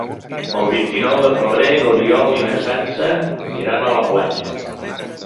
El vint-i-nou de febrer n'Oriol i na Sança iran a la platja.